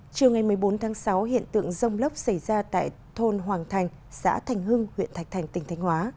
chiều ngày một mươi bốn tháng sáu hiện tượng rông lốc xảy ra tại thôn hoàng thành xã thành hưng huyện thạch thành tỉnh thành hóa